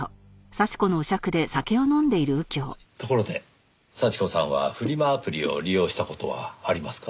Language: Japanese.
ところで幸子さんはフリマアプリを利用した事はありますか？